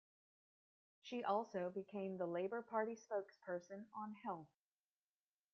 She also became the Labour Party spokesperson on Health.